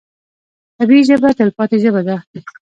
طبیعي ژبه تلپاتې ژبه ده.